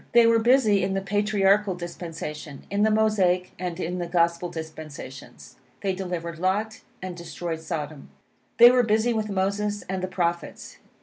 They were busy in the Patriarchal dispensation, in the Mosaic, and in the Gospel dispensations. They delivered Lot and destroyed Sodom. They were busy with Moses and the Prophets.